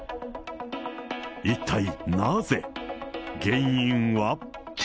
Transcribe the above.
一体なぜ、原因は。